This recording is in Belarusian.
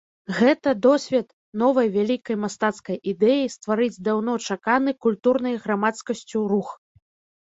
Гэта досвед новай вялікай мастацкай ідэі стварыць даўно чаканы культурнай грамадскасцю рух.